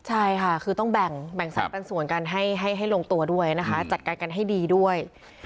ใช่ค่ะคือต้องแบ่งสรรปันส่วนกันให้ลงตัวด้วยนะคะจัดการกันให้ดีด้วย